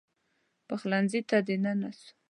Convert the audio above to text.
پخلنځي ته دننه سو